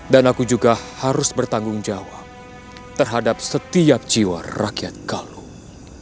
dan aku juga harus bertanggung jawab terhadap setiap jiwa rakyat galung